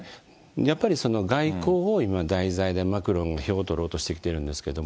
やっぱりその外交を今、題材で、マクロンが票を取ろうとしているんですけど、